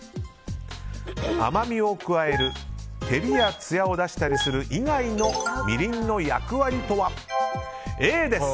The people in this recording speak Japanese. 甘みを加える照りやつやを出したりする以外のみりんの役割とはＡです。